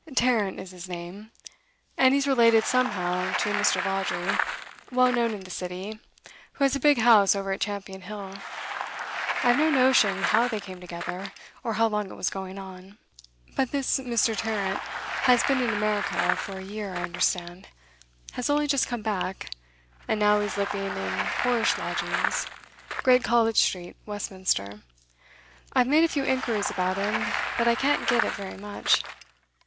'Tarrant is his name, and he's related somehow to a Mr. Vawdrey, well known in the City, who has a big house over at Champion Hill. I have no notion how they came together, or how long it was going on. But this Mr. Tarrant has been in America for a year, I understand; has only just come back; and now he's living In poorish lodgings, Great College Street, Westminster. I've made a few inquiries about him, but I can't get at very much.